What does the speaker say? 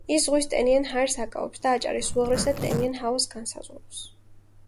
ის ზღვის ტენიან ჰაერს აკავებს და აჭარის უაღრესად ტენიან ჰავას განსაზღვრავს.